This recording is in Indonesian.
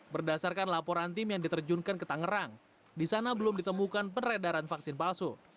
berdasarkan laporan tim yang diterjunkan ke tangerang di sana belum ditemukan peredaran vaksin palsu